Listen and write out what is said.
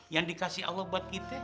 yang dikasih allah buat kita